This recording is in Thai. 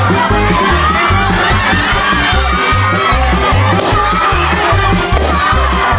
ไปเลี้ยลูกตอน